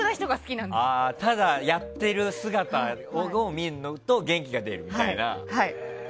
やってる姿を見ると元気が出るみたいな。